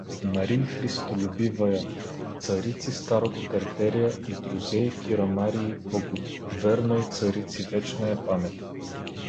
Марии христолюбивъя царици старого Тертерия и друзей Кирамарии благоверной царици вечная памятъ.